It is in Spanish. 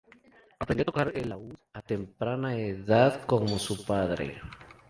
Aprendió a tocar el laúd a temprana edad, como su padre.